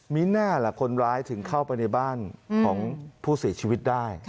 มีหน้าล่ะคนร้ายถึงเข้าไปในบ้านของผู้เสียชีวิตได้